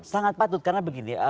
sangat patut karena begini